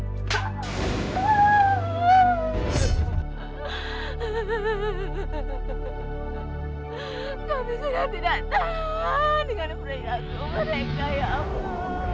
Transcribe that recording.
kau bisa tidak tahan dengan mereka ya ampun